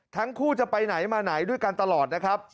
ทั้งคู่จะไปไหนมาไหนด้วยกันตลอดนะครับ